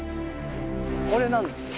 これなんですよ。